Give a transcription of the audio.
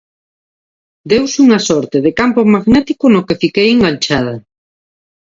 Deuse unha sorte de campo magnético no que fiquei enganchada.